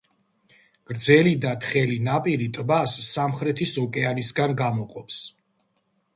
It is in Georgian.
გრძელი და თხელი ნაპირი ტბას სამხრეთის ოკეანისგან გამოყოფს.